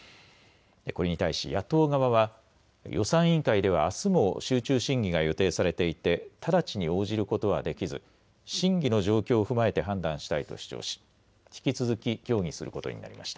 これに対し野党側は予算委員会ではあすも集中審議が予定されていて直ちに応じることはできず審議の状況を踏まえて判断したいと主張し引き続き協議することになりました。